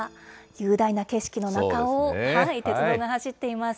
雄大な景色の中を鉄道が走っています。